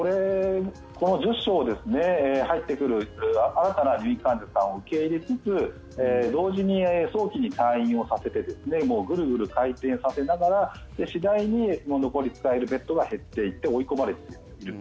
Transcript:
この１０床ですね入ってくる新たな入院患者さんを受け入れつつ、同時に早期に退院をさせてもうぐるぐる回転させながら次第に残り使えるベッドが減っていって追い込まれていくと。